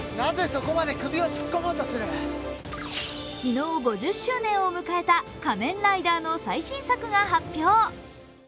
昨日５０周年を迎えた「仮面ライダー」の最新作が発表。